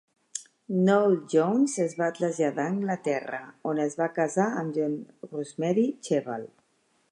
Noel Jones es va traslladar a Anglaterra, on es va casar amb Jean Rosemary Cheval.